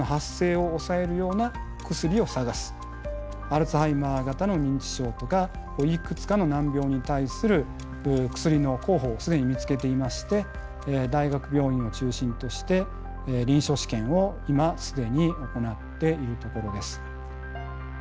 アルツハイマー型の認知症とかいくつかの難病に対する薬の候補を既に見つけていまして大学病院を中心として臨床試験を今既に行っているところです。